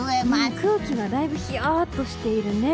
空気がだいぶヒヤッとしているね。